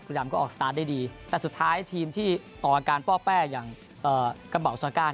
บริรัมท์ก็ออกสตาร์ทได้ดีแต่สุดท้ายทีมที่ต่ออาการป้อแป้อย่างกระเบาสวัสดีการ